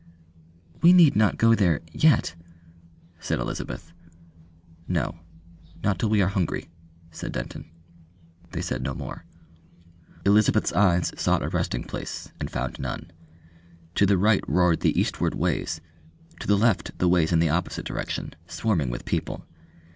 "We need not go there yet?" said Elizabeth. "No not till we are hungry," said Denton. They said no more. Elizabeth's eyes sought a resting place and found none. To the right roared the eastward ways, to the left the ways in the opposite direction, swarming with people.